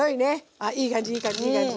あいい感じいい感じいい感じ。